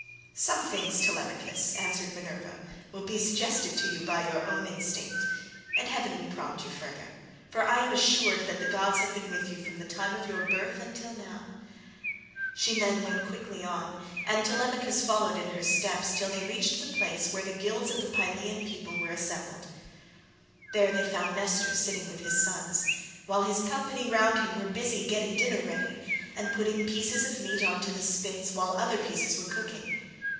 "Some things, Telemachus," answered Minerva, "will be suggested to you by your own instinct, and heaven will prompt you further; for I am assured that the gods have been with you from the time of your birth until now." She then went quickly on, and Telemachus followed in her steps till they reached the place where the guilds of the Pylian people were assembled. There they found Nestor sitting with his sons, while his company round him were busy getting dinner ready, and putting pieces of meat on to the spits26 while other pieces were cooking.